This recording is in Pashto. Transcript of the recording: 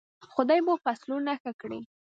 خدای به فصلونه ښه کړي.